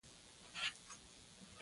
شمال لوېدیځي صوبې د چارو په باره کې.